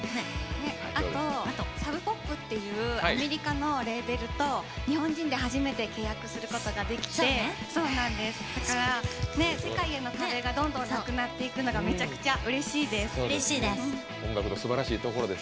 あとサブ・ポップっていうアメリカのレーベルと日本人で初めて契約することができて世界への壁がどんどんなくなっていくのがうれしいです。